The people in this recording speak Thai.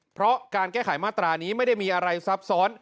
เพราะการแก้ไขมาตรานี้ไม่ได้มีอะไรซับซ้อน